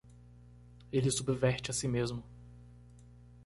Ele subverte a si mesmo.